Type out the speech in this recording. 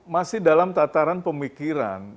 masih dalam tataran pemikiran